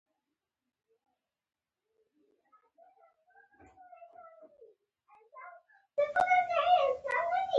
د زنګ ږغ ټول پام ځانته را اړوي.